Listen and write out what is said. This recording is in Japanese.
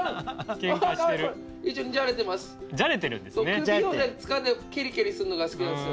首をつかんで蹴り蹴りするのが好きなんですよ